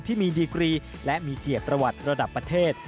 ที่มีดีกรีและมีเกียรติประวัติระดับประเทศ